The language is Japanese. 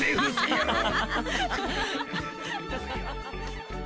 ハハハハ